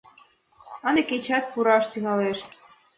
— Ынде кечат пураш тӱҥалеш.